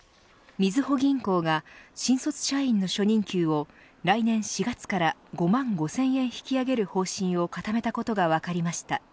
みずほ銀行が新卒社員の初任給を来年４月から５万５０００円引き上げる方針を固めたことが分かりました。